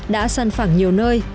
đã săn phẳng nhiều nơi